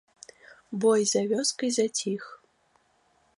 Бой за вёскай заціх.